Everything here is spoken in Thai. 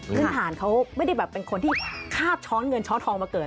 พื้นฐานเขาไม่ได้แบบเป็นคนที่คาบช้อนเงินช้อนทองมาเกิด